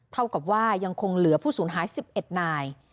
เท่ากับว่ายังคงเหลือผู้สูญหาย๑๑นาย